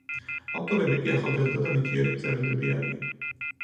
ავტორები კი ახალგაზრდა და ნიჭიერი მწერლები არიან.